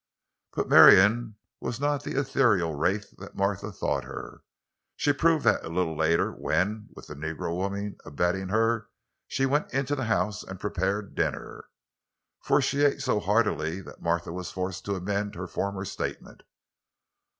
But Marion was not the ethereal wraith that Martha thought her. She proved that a little later, when, with the negro woman abetting her, she went into the house and prepared dinner. For she ate so heartily that Martha was forced to amend her former statement.